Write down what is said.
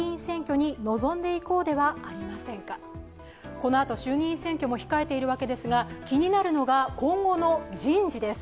このあと衆議院選挙も控えているわけですが気になるのが、今後の人事です。